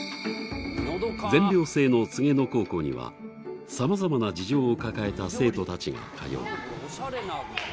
全寮制の黄柳野高校にはさまざまな事情を抱えた生徒たちが通う。